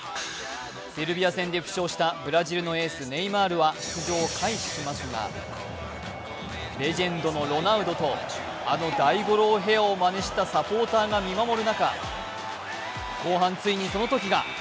セルビア戦で負傷したブラジルのエース・ネイマールは出場を回避しますがレジェンドのロナウドとあの大五郎ヘアをまねしたサポーターが見守る中、後半ついにそのときが。